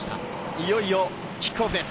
いよいよキックオフです。